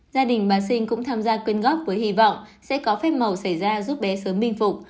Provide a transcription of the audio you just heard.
gia đình bà sinh cũng tham gia quyên góp với hy vọng sẽ có phép màu xảy ra giúp bé sớm minh phục